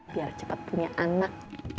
biar cepat punya anak